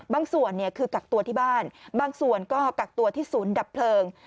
ส่วนคือกักตัวที่บ้านบางส่วนก็กักตัวที่ศูนย์ดับเพลิง